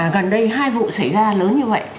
còn đây hai vụ xảy ra lớn như vậy